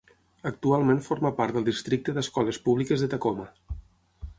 Actualment forma part del districte d'escoles públiques de Tacoma.